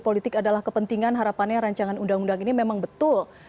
politik adalah kepentingan harapannya rancangan undang undang ini memang betul